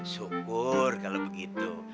syukur kalau begitu